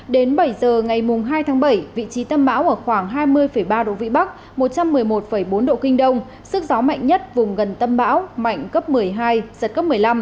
đến bảy giờ ngày hai tháng bảy vị trí tâm bão ở khoảng hai mươi ba độ vĩ bắc một trăm một mươi một bốn độ kinh đông sức gió mạnh nhất vùng gần tâm bão mạnh cấp một mươi hai giật cấp một mươi năm